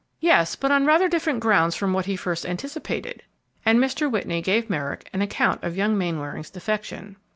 "Yes, but on rather different grounds from what he first anticipated," and Mr. Whitney gave Merrick an account of young Mainwaring's defection.